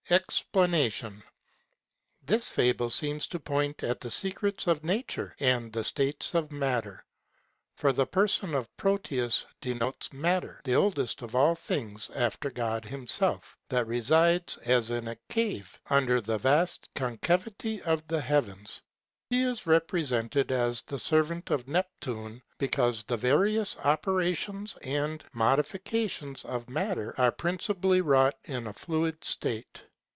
EXPLANATION.—This fable seems to point at the secrets of nature, and the states of matter. For the person of Proteus denotes matter, the oldest of all things, after God himself; that resides, as in a cave, under the vast concavity of the heavens. He is represented as the servant of Neptune, because the various operations and modifications of matter are principally wrought in a fluid state.